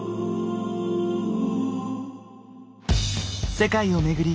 世界を巡り